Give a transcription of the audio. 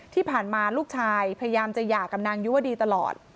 ที่ผ่านมาลูกชายพยายามจะหย่ากับนางยุวดีตลอด